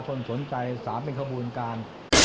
ชนสนใจสามเป็นครบูลการ